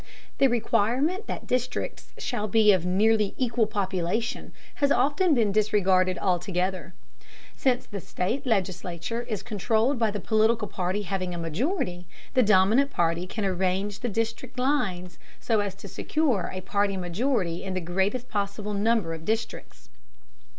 The requirement that districts shall be of nearly equal population has often been disregarded altogether. Since the state legislature is controlled by the political party having a majority, the dominant party can arrange the district lines so as to secure a party majority in the greatest possible number of districts.